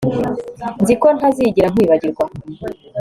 Nzi ko ntazigera nkwibagirwa